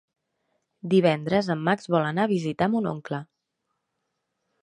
Divendres en Max vol anar a visitar mon oncle.